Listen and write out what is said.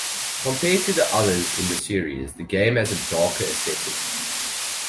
Compared to the others in the series, the game has a darker aesthetic.